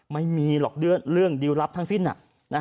ไม่มีหรอกเรื่องดิวลลับทั้งสิ้น